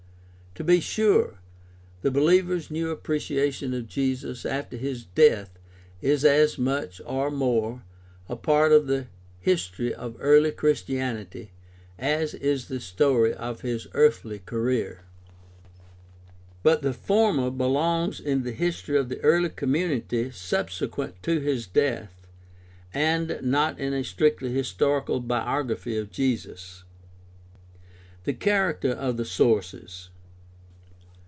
To be sure, the behevers' new appreciation of Jesus after his death is as much — or more — a part of the history of early Christianity as is the THE STUDY OF EARLY CHRISTIANITY 257 story of his earthly career. But the former belongs in the history of the early community subsequent to his death, and not in a strictly historical biography of Jesus. The character of the sources.